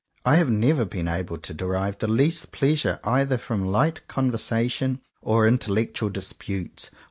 I have never been able to derive the least pleasure either from "light conversation" or "intellectual disputes."